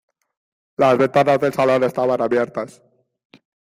Las ventanas del salón estaban abiertas.